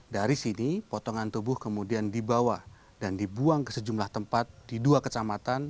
dari sini potongan tubuh kemudian dibawa dan dibuang ke sejumlah tempat di dua kecamatan